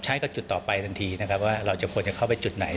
ให้กับจุดต่อไปทันทีนะครับว่าเราจะควรจะเข้าไปจุดไหน